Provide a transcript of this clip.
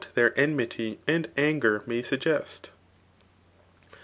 their enmity and anger may suggest.